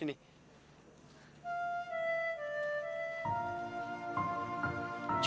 aku mau pergi ke tempat yang sama